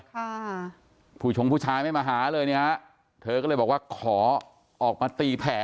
ค่ะผู้ชงผู้ชายไม่มาหาเลยเนี่ยฮะเธอก็เลยบอกว่าขอออกมาตีแผล